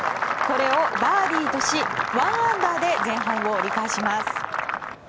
これをバーディーとし１アンダーで前半を折り返します。